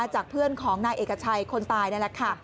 จากเพื่อนของนายเอกชัยคนตายนั่นแหละค่ะ